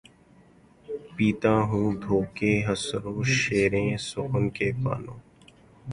پیتا ہوں دھو کے خسروِ شیریں سخن کے پانو